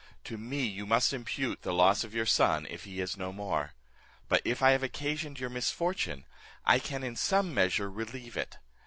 To me you must impute the loss of your son, if he is no more; but if I have occasioned your misfortune, I can in some measure relieve it.